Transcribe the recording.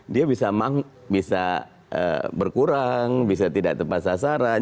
dia bisa berkurang bisa tidak tepat sasaran